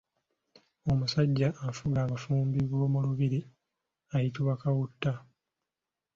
Omusajja afuga abafumbi b’omu lubiri ayitibwa Kawuuta.